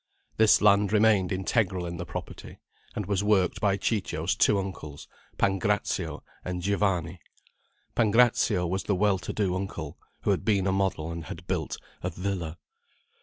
This land remained integral in the property, and was worked by Ciccio's two uncles, Pancrazio and Giovanni. Pancrazio was the well to do uncle, who had been a model and had built a "villa."